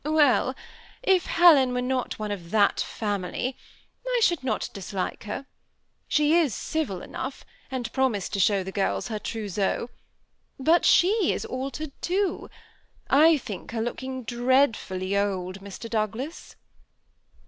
" Well, if Helen were not one of that family, I should not dislike her. She is « civil enough, and promised to show the girls her trous seau ; but she is altered too. I think her looking dread fully old, Mr. Douglas."